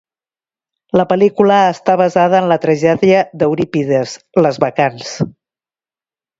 La pel·lícula està basada en la tragèdia d'Eurípides, Les Bacants.